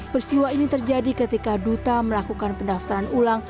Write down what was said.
peristiwa ini terjadi ketika duta melakukan pendaftaran ulang